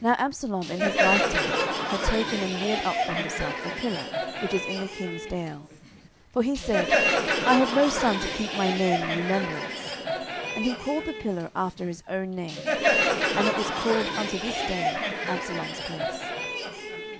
10:018:018 Now Absalom in his lifetime had taken and reared up for himself a pillar, which is in the king's dale: for he said, I have no son to keep my name in remembrance: and he called the pillar after his own name: and it is called unto this day, Absalom's place.